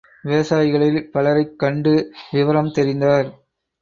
விவசாயிகளில் பலரைக் கண்டு விவரம் தெரிந்தார்.